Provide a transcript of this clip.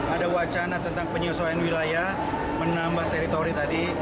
ada wacana tentang penyesuaian wilayah menambah teritori tadi